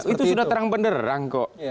itu sudah terang bener rangkok